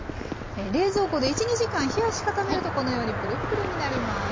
冷蔵庫で１２時間冷やし固めるとこのようにプルップルになります。